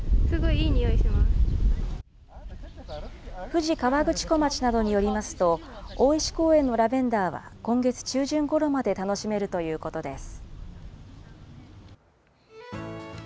富士河口湖町などによりますと、大石公園のラベンダーは今月中旬ごろまで楽しめるということです。